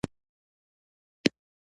اورېدنه له خلکو سره نږدې کوي.